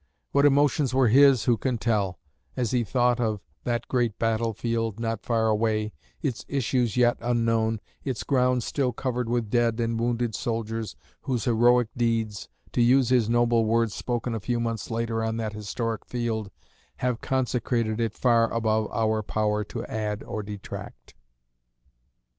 What emotions were his, who can tell, as he thought of that great battle field not far away, its issues yet unknown, its ground still covered with dead and wounded soldiers whose heroic deeds to use his noble words spoken a few months later on that historic field "have consecrated it far above our power to add or detract."